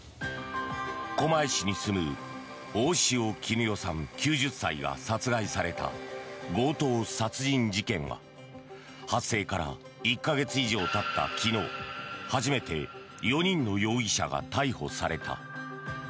狛江市に住む大塩衣與さん、９０歳が殺害された強盗殺人事件が発生から１か月以上たった昨日初めて４人の容疑者が逮捕された。